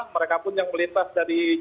mereka pun yang melintas dari